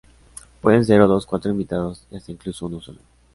Pueden ser dos o cuatro invitados y hasta incluso uno solo.